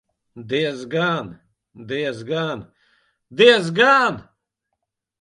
Diezgan, diezgan, diezgan!